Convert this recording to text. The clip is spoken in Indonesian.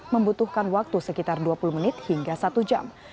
membutuhkan waktu sekitar dua puluh menit hingga satu jam